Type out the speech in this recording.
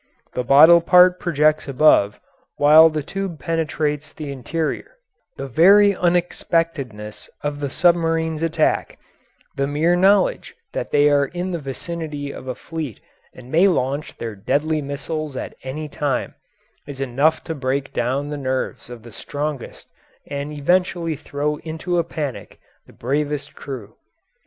The bottle part projects above, while the tube penetrates the interior. [Illustration: SPEEDING AT THE RATE OF 102 3/4 MILES AN HOUR] The very unexpectedness of the submarine's attack, the mere knowledge that they are in the vicinity of a fleet and may launch their deadly missiles at any time, is enough to break down the nerves of the strongest and eventually throw into a panic the bravest crew.